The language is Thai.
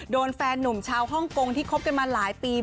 แฟนนุ่มชาวฮ่องกงที่คบกันมาหลายปี